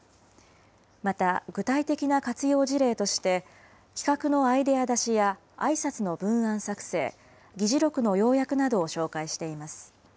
また、具体的な活用事例として、企画のアイデア出しやあいさつの文案作成、議事録の要約などを紹介しています。